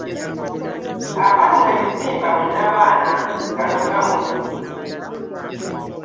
Abalumwa ebizimba mu nnabaana gano gammwe.